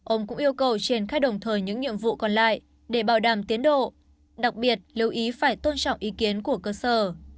ông cũng yêu cầu triển khai đồng thời những nhiệm vụ còn lại để bảo đảm tiến độ đặc biệt lưu ý phải tôn trọng ý kiến của cơ sở